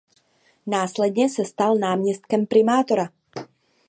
Následně se stal náměstkem primátora.